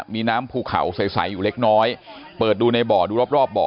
มีน้ำภูเขาใสอยู่เล็กน้อยเปิดดูในบ่อดูรอบรอบบ่อ